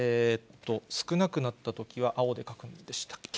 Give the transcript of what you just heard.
少なくなったときは青で書くんでしたっけ。